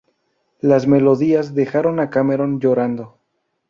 Las melodías dejaron a Cameron llorando.